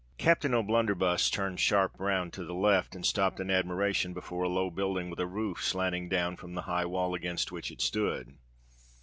Captain O'Blunderbuss turned sharp round to the left, and stopped in admiration before a low building with a roof slanting down from the high wall against which it stood.